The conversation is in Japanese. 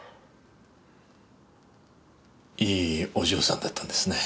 いいお嬢さんだったんですね。